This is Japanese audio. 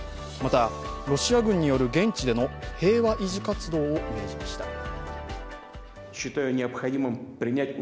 またロシア軍による現地での平和維持活動を命じました。